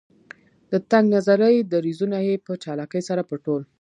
د تنګ نظري دریځونه یې په چالاکۍ سره پټول.